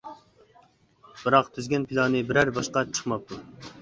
بىراق تۈزگەن پىلانى، بىرەر باشقا چىقماپتۇ.